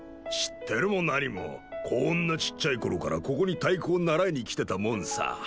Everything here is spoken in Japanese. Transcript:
知ってるも何もこんなちっちゃい頃からここに太鼓を習いに来てたもんさ。